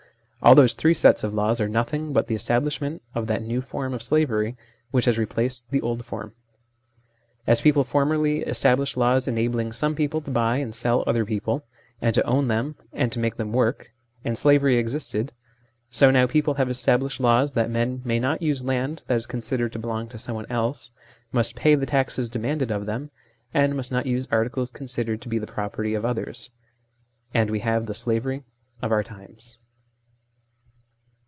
All those three sets of laws are nothing but the establish ment of that new form of slavery which has replaced the old form. As people formerly established laws enabling some people to buy and sell other people, and to own them, and to make them work and slavery existed ; so now people have established laws that men may not use land that is considered to belong to someone else, must pay the taxes demanded of them, and must not use articles considered to be the property of others and we have the slavery of our tunes.